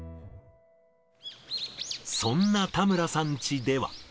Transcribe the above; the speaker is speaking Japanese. そんな田村さんチでは。